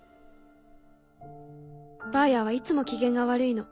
ばあやはいつも機嫌が悪いの。